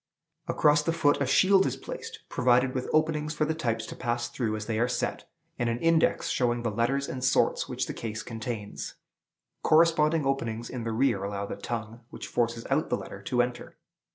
Across the foot a shield is placed, provided with openings for the types to pass through as they are set; and an index, showing the letters and sorts which the case contains. Corresponding openings in the rear allow the tongue, which forces out the letter, to enter.